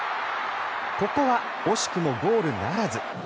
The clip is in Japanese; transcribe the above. ここは惜しくもゴールならず。